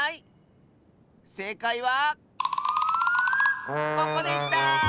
せいかいはここでした！